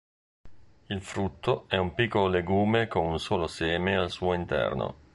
Il frutto è un piccolo legume con un solo seme al suo interno.